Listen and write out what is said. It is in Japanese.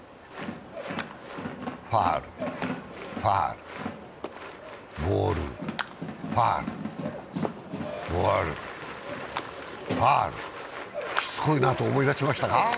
ファウル、ファウル、ボール、ファウル、ボール、ファウルしつこいなと思いだしましたか？